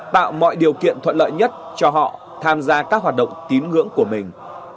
tạo mọi điều kiện thuận lợi nhất cho họ tham gia các hoạt động tín ngưỡng của mình